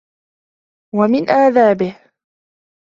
وَمِنْ آدَابِهِ